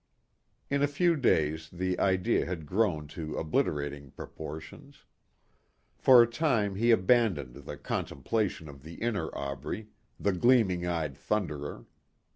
In a few days the idea had grown to obliterating proportions. For a time he abandoned the contemplation of the inner Aubrey the gleaming eyed Thunderer.